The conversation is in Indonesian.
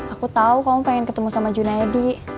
aku tahu kamu pengen ketemu sama junaidi